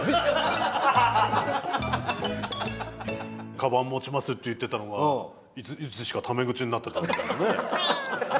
「カバン持ちます」って言ってたのがいつしかため口になってたっていうね。